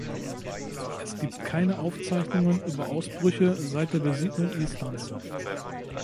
Es gibt keine Aufzeichnungen über Ausbrüche seit der Besiedlung Islands.